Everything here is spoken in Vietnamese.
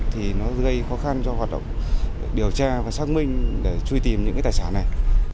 thì nó gây khó khăn cho hoạt động điều tra và xác minh để truy tìm những cái tài sản này